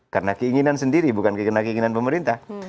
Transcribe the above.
karena keinginan sendiri bukan karena keinginan pemerintah